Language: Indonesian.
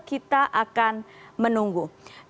kita akan menunggu